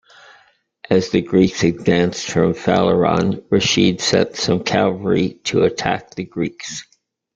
As the Greeks advanced from Phaleron, Reshid sent some cavalry to attack the Greeks.